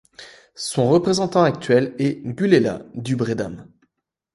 Son représentant actuel est Gulelat Dubre Dame.